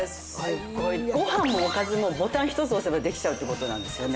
ご飯もおかずもボタン１つ押せばできちゃうって事なんですよね？